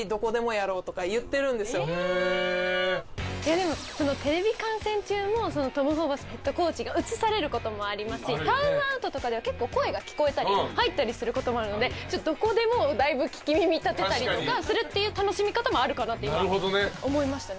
でもテレビ観戦中もトム・ホーバスヘッドコーチが映される事もありますしタイムアウトとかでは結構声が聞こえたり入ったりする事もあるので「どこでも」をだいぶ聞き耳立てたりとかするっていう楽しみ方もあるかなって今思いましたね。